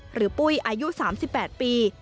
หรือปุ้ยอายุ๓๘ปี